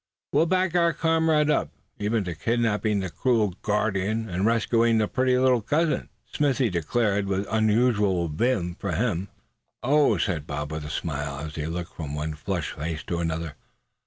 "We'll back our comrade up, even to kidnapping the cruel guardian, and rescuing the pretty little cousin!" Smithy declared with unusual vim, for him. "Oh!" said Bob with a smile, as he looked from one flushed face to another.